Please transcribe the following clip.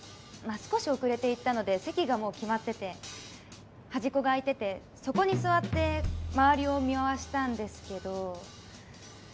あ少し遅れて行ったので席がもう決まってて端っこが空いててそこに座って周りを見回したんですけど。